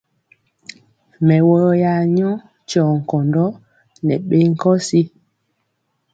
Mɛwɔyɔ ya nyɔ tyɔ nkɔndɔ nɛ ɓee nkɔsi.